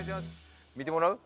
見てもらう？